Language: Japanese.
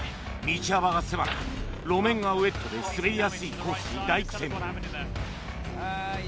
道幅が狭く路面がウェットで滑りやすいコースに大苦戦！